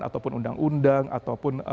ataupun undang undang ataupun